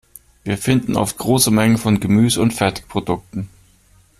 Wir finden oft große Mengen von Gemüse und Fertigprodukten.